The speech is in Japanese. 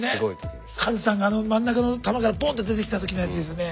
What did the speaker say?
カズさんがあの真ん中の玉からボンッて出てきた時のやつですよね。